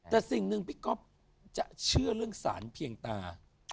แต่สิ่งหนึ่งพี่ก๊อฟจะเชื่อเรื่องสารเพียงตา